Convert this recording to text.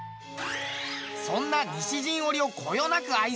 そんな西陣織をこよなく愛するのが。